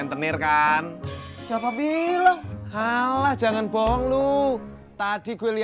bener kan mok